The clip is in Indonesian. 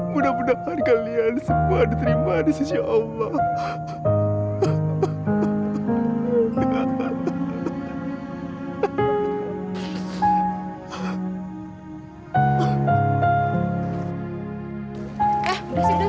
mudah mudahan kalian semua diterima di sisi allah